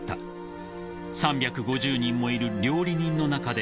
［３５０人もいる料理人の中で］